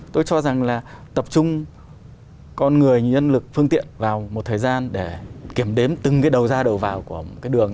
tôi cho rằng là tập trung con người nhân lực phương tiện vào một thời gian để kiểm đếm từng cái đầu ra đầu vào của cái đường